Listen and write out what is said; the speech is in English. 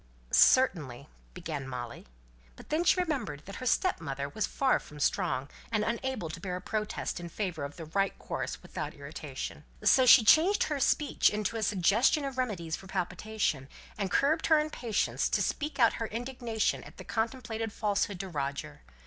"Certainly, " began Molly; but then she remembered that her stepmother was far from strong, and unable to bear a protest in favour of the right course without irritation. So she changed her speech into a suggestion of remedies for palpitation; and curbed her impatience to speak out her indignation at the contemplated falsehood to Roger.